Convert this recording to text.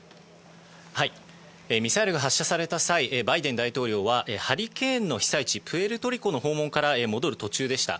ミサイルが発射された際、バイデン大統領はハリケーンの被災地プエルトリコの訪問から戻る途中でした。